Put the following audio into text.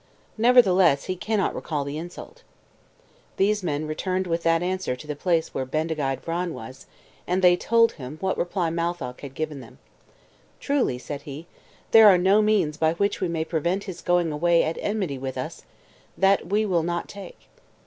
Nevertheless, he cannot recall the insult." These men returned with that answer to the place where Bendigeid Vran was, and they told him what reply Matholch had given them. "Truly," said he, "there are no means by which we may prevent his going away at enmity with us that we will not take."